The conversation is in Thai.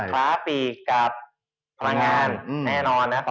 ค้าปีกกับพลังงานแน่นอนนะ